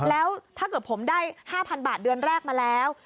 แล้วถ้าเกิดผมได้๕๐๐๐บาทเดือนแรกมาแล้ว